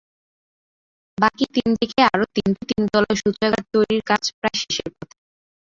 বাকি তিন দিকে আরও তিনটি তিনতলা শৌচাগার তৈরির কাজ প্রায় শেষের পথে।